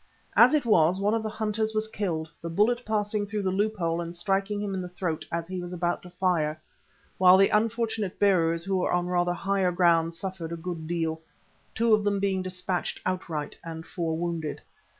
As it was, one of the hunters was killed, the bullet passing through the loophole and striking him in the throat as he was about to fire, while the unfortunate bearers who were on rather higher ground, suffered a good deal, two of them being dispatched outright and four wounded.